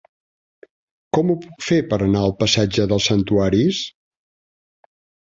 Com ho puc fer per anar al passatge dels Santuaris?